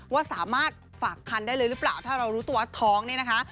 ว่าสามารถฝากคันได้เลยหรือเปล่าถ้าเรารู้ตัวว่าท้องเนี่ยนะคะ